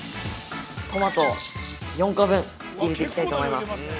◆トマトを４個分、入れていきたいと思います。